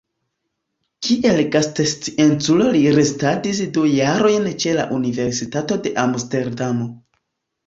Kiel gastscienculo li restadis du jarojn ĉe la Universitato de Amsterdamo.